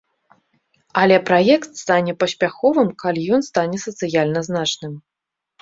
Але праект стане паспяховым, калі ён стане сацыяльна значным.